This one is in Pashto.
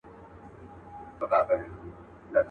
دا دنیا ده مکرجنه هوښیار اوسه غولوي دي.